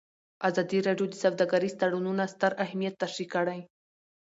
ازادي راډیو د سوداګریز تړونونه ستر اهميت تشریح کړی.